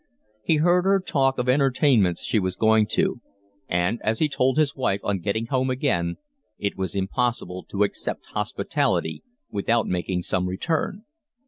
He heard her talk of entertainments she was going to; and, as he told his wife on getting home again, it was impossible to accept hospitality without making some return.